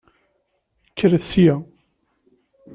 Kkret sya!